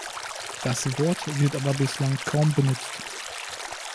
Das Wort wird aber bislang kaum benutzt.